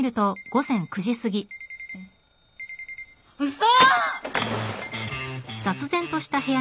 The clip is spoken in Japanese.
嘘！